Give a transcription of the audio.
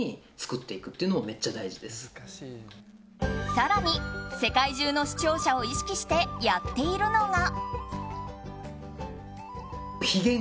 更に世界中の視聴者を意識してやっているのが。